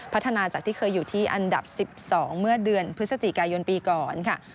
พัฒนาจากที่เคยอยู่ที่อันดับ๑๒เมื่อเดือนพฤศจิกายนปีก่อนค่ะ